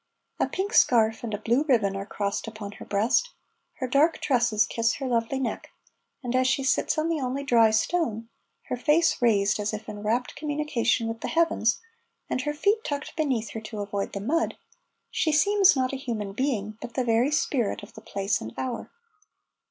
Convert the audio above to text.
A pink scarf and a blue ribbon are crossed upon her breast, her dark tresses kiss her lovely neck, and as she sits on the only dry stone, her face raised as if in wrapt communion with the heavens, and her feet tucked beneath her to avoid the mud, she seems not a human being, but the very spirit of the place and hour.